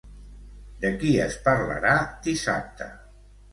De qui es parlarà dissabte?